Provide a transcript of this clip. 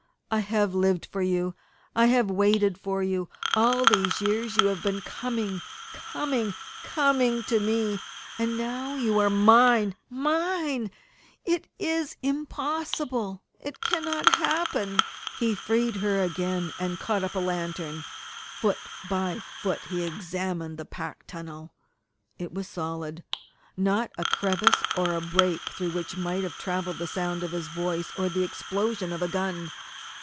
"I have lived for you, I have waited for you all these years you have been coming, coming, coming to me and now that you are mine mine it is impossible! It cannot happen " He freed her again, and caught up a lantern. Foot by foot he examined the packed tunnel. It was solid not a crevice or a break through which might have travelled the sound of his voice or the explosion of a gun.